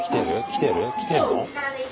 きてんの？